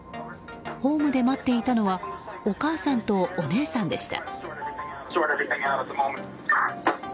ホームで待っていたのはお母さんとお姉さんでした。